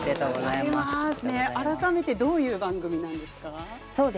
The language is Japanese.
改めてどういう番組なんですか？